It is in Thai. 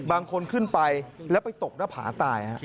ขึ้นไปแล้วไปตกหน้าผาตาย